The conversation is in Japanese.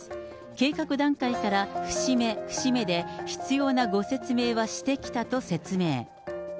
計画段階から節目節目で必要なご説明はしてきたと説明。